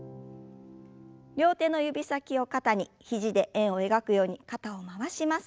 両手の指先を肩に肘で円を描くように肩を回します。